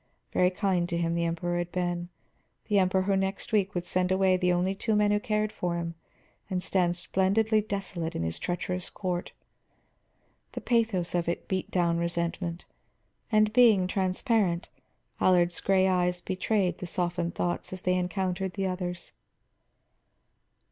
Very kind to him the Emperor had been, the Emperor who next week would send away the only two men who cared for him and stand splendidly desolate in his treacherous court. The pathos of it beat down resentment. And being transparent, Allard's gray eyes betrayed the softened thoughts as they encountered the other's.